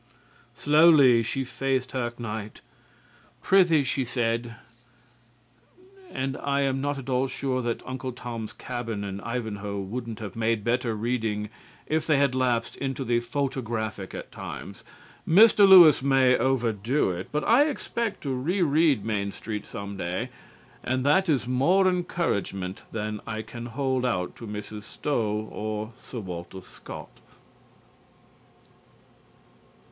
Slowly she faced her knight: "'Prithee,' she said." And I am not at all sure that "Uncle Tom's Cabin" and "Ivanhoe" wouldn't have made better reading if they had lapsed into the photographic at times. Mr. Lewis may overdo it, but I expect to re read "Main Street" some day, and that is more encouragement than I can hold out to Mrs. Stowe or Sir Walter Scott.